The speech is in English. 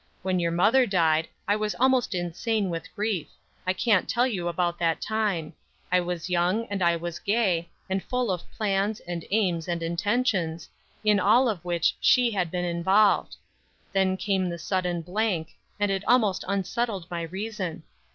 When your mother died I was almost insane with grief; I can't tell you about that time; I was young and I was gay, and full of plans, and aims, and intentions, in all of which she had been involved. Then came the sudden blank, and it almost unsettled my reason.